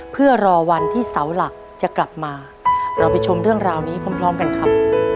เพื่อรอวันที่เสาหลักจะกลับมาเราไปชมเรื่องราวนี้พร้อมกันครับ